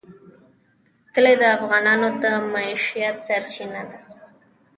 کلي د افغانانو د معیشت سرچینه ده.